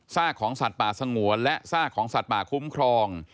ของสัตว์ป่าสงวนและซากของสัตว์ป่าคุ้มครอง